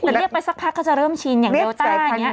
แต่เรียกไปสักพักก็จะเริ่มชินอย่างเดลต้าอย่างนี้